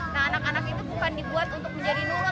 nah anak anak itu bukan dibuat untuk menjadi nuan